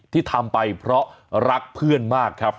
ที่ทำไปเพราะรักเพื่อนมากครับ